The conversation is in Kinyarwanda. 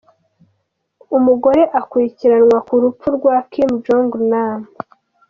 Umugore akurikiranwa ku rupfu rwa Kim Jong-nam.